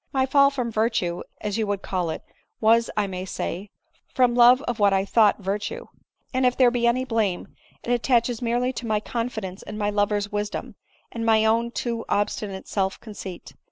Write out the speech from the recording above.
" My fall from virtue, as you would call it, was, I may say, from love of what I thought virtue ; and if there be any blame, it attaches merely to my confidence in my lover's wisdom and my own too obstinate self con ceit.